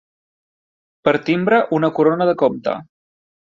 Per timbre una corona de comte.